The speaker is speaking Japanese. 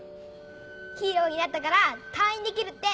ヒーローになったから退院できるって。